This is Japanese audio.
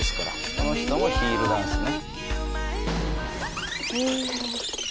この人もヒールダンスね。